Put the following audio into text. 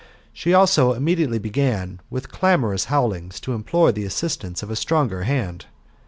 She also immiediately began, with clamorous bowlings, to implore the assistance of a stronger hand.